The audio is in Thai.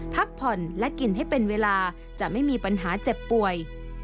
พักผ่อนและกินให้เป็นเวลาจะไม่มีปัญหาเจ็บป่วย